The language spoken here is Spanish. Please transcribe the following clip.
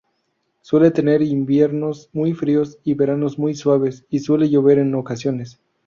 Suele tener inviernos muy fríos, y veranos muy suaves; y suele llover en ocasiones.